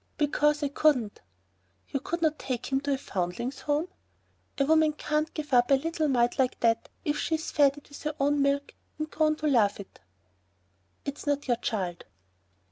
"Because I couldn't." "You could not take him to a Foundlings' Home?" "A woman can't give up a little mite like that if she's fed it with her own milk and grown to love it." "It's not your child."